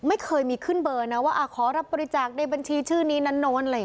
ไม่เคยมีขึ้นเบอร์นะว่าอ่าขอรับบริจาคในบัญชีชื่อนี้นั้นโน้นเลย